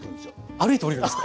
歩いて下りるんですか？